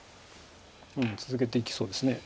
続けていきそうです。